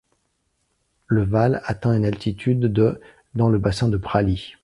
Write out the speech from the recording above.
Le val atteint une altitude de dans le bassin de Prali.